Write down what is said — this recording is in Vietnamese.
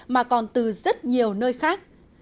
mà còn từ rất nhiều nơi khác